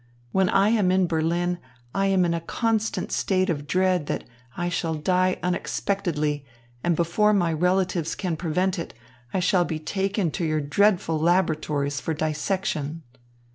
When I am in Berlin, I am in a constant state of dread that I shall die unexpectedly and before my relatives can prevent it, I shall be taken to your dreadful laboratories for dissection."